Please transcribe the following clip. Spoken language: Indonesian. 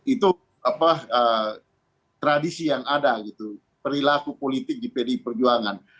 itu tradisi yang ada gitu perilaku politik di pdi perjuangan